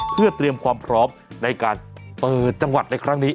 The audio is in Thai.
เพื่อเตรียมความพร้อมในการเปิดจังหวัดในครั้งนี้